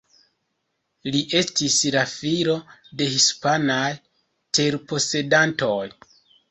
Li estis la filo de hispanaj terposedantoj.